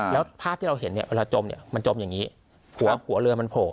แล้วภาพที่เราเห็นเนี่ยเวลาจมเนี่ยมันจมอย่างนี้หัวเรือมันโผล่